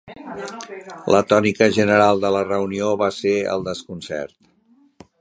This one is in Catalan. La tònica general de la reunió va ser el desconcert.